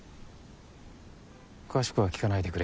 詳しくは聞かないでくれ。